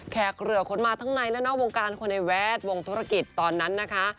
เหลือคนมาทั้งในและนอกวงการคนในแวดวงธุรกิจตอนนั้นนะคะ